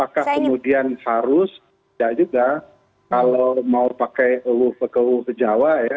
apakah kemudian harus tidak juga kalau mau pakai love ke wow ke jawa ya